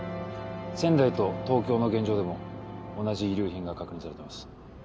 仙台と東京の現場でも同じ遺留品が確認されています。